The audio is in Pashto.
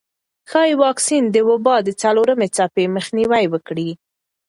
ښايي واکسین د وبا د څلورمې څپې مخنیوی وکړي.